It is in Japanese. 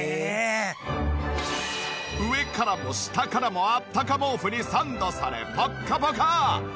上からも下からもあったか毛布にサンドされぽっかぽか！